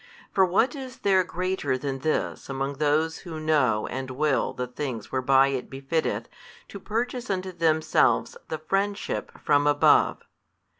For what is there greater than this among those who know and will the things whereby it befitteth to purchase unto themselves the friendship from above?